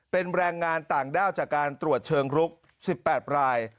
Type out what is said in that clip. เป็นแรงงานต่างด้าวจากการตรวจเชิงรุก๑๘ราย